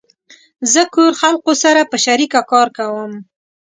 زه کور خلقو سره په شریکه کار کوم